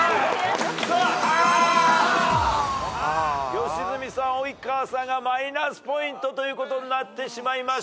良純さん及川さんがマイナスポイントということになってしまいましたが。